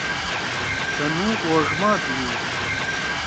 تُنُو اوݜ ما بِھؤ۔